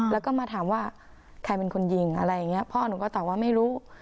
แล้วก็มาถามว่าใครเป็นคนยิงอะไรอย่างนี้พ่อหนูก็ตอบว่าไม่รู้